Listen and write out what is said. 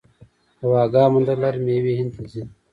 د واګې بندر له لارې میوې هند ته ځي.